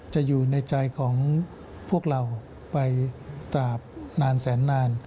อยู่ในใจของพวกเราไปตราบนานแสนนาน